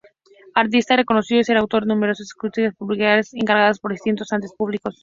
Artista reconocido, es autor de numerosas esculturas públicas, encargadas por distintos entes públicos.